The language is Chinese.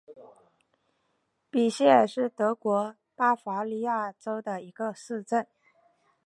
比希尔是德国巴伐利亚州的一个市镇。